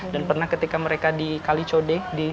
dan pernah ketika mereka di kalicode